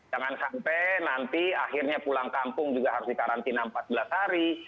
jangan sampai nanti akhirnya pulang kampung juga harus dikarantina empat belas hari